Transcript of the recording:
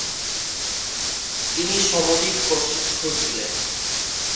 তিনি সমধিক প্রসিদ্ধ ছিলেন।